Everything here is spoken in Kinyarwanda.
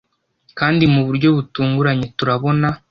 Kandi mu buryo butunguranye turabona